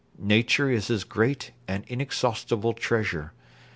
Nature is his great and inexhaustible treasure.